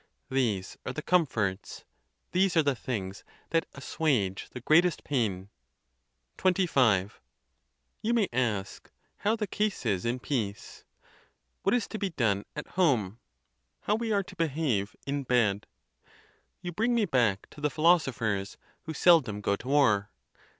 These are the comforts, these are the things that assuage the greatest pain. XXYV. You may ask, How the case is in peace? What is to be done at home? . How we are to behave in bed ? You bring me back to the philosophers, who seldom go to war.